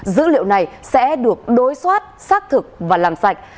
dữ liệu này sẽ được đối soát xác thực và làm sạch